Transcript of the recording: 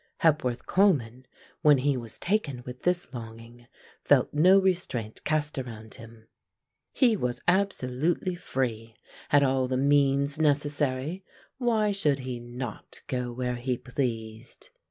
Hepworth Coleman, when he was taken with this longing, felt no restraint cast around him. He was absolutely free, had all the means necessary why should he not go where he pleased?